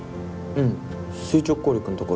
うん。